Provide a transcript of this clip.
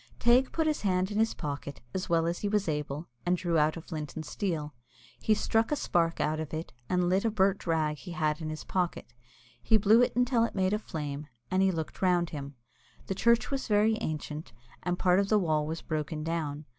Teig put his hand in his pocket, as well as he was able, and drew out a flint and steel. He struck a spark out of it, and lit a burnt rag he had in his pocket. He blew it until it made a flame, and he looked round him. The church was very ancient, and part of the wall was broken down.